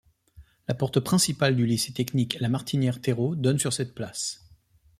La porte principale du Lycée technique La Martinière-Terreaux donne sur cette place.